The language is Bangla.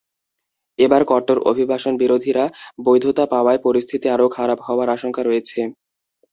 এবার কট্টর অভিবাসনবিরোধীরা বৈধতা পাওয়ায় পরিস্থিতি আরও খারাপ হওয়ার আশঙ্কা রয়েছে।